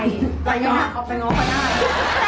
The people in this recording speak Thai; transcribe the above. อะไรกันหรือออกไปน้องก็ได้